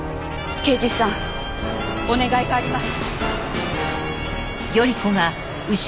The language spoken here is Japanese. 刑事さんお願いがあります。